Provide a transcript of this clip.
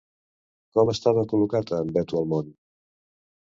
Com estava col·locat en Vatualmón?